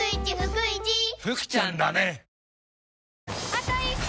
あと１周！